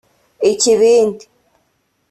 ikibindi